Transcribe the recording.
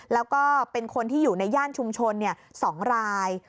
แล้วก็เป็นคนที่อยู่ในย่านชุมชน๒ราย